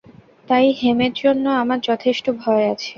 তাই হেমের জন্য আমার যথেষ্ট ভয় আছে।